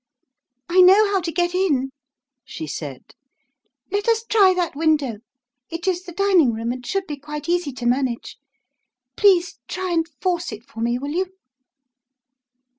"I know how to get in," she said. "Let us try that window. It is the dining room, and should be quite easy to manage. Please try and force it for me, will you?"